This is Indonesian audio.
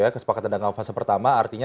kesepakatan dengan fase pertama artinya